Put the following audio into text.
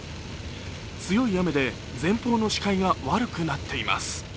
強い雨で前方の視界が悪くなっています。